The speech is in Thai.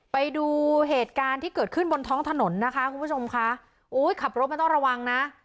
ไปดูเหตุการณ์ที่เกิดขึ้นบนท้องถนนนะคะคุณผู้ชมค่ะโอ้ยขับรถไม่ต้องระวังนะ